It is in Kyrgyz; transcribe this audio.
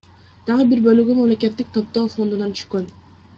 Дагы бир бөлүгү мамлекеттик топтоо фондунан түшкөн.